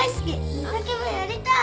美咲もやりたい！